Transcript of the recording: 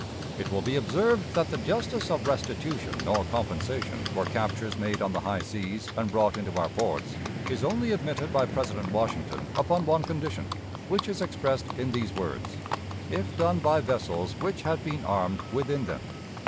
It will be observed that the justice of restitution, or compensation, for captures made on the high seas and brought into our ports, is only admitted by President Washington upon one condition, which is expressed in these words: "If done by vessels which had been armed within them."